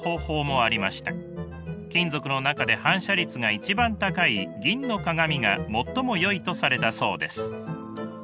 金属の中で反射率が一番高い銀の鏡が最もよいとされたそうです。